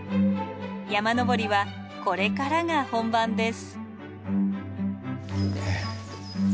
山登りはこれからが本番です。